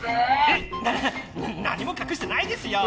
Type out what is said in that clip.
なな何もかくしてないですよ！